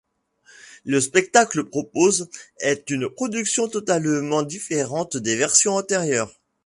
Le spectacle propose est une productions totalement différente des versions antérieures.